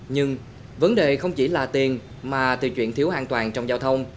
nhưng vấn đề không chỉ là tiền mà từ chuyện thiếu an toàn trong giao thông